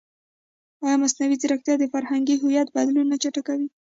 ایا مصنوعي ځیرکتیا د فرهنګي هویت بدلون نه چټکوي؟